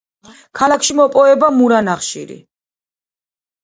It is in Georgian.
ქალაქში მოპოვება მურა ნახშირი.